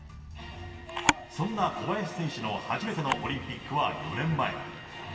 そんな小林選手の初めてのオリンピックは４年前。